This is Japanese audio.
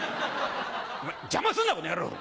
お前邪魔すんなこの野郎！